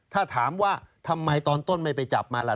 ถ้าถามว่าทำไมตอนต้นไม่ไปจับมาล่ะ